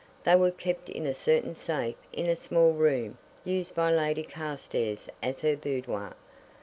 "They were kept in a certain safe in a small room used by Lady Carstairs as her boudoir.